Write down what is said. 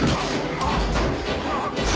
あっ！